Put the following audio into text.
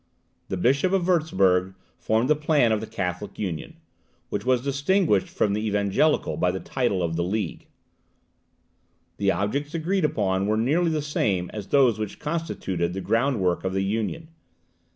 The Bishop of Wurtzburg formed the plan of the Catholic union, which was distinguished from the evangelical by the title of the League. The objects agreed upon were nearly the same as those which constituted the groundwork of the Union.